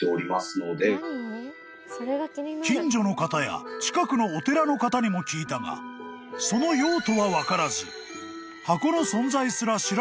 ［近所の方や近くのお寺の方にも聞いたがその用途は分からず］